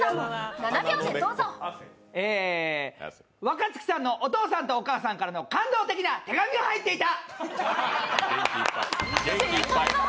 若槻さんのお父さんとお母さんからの感動的な手紙が入っていた！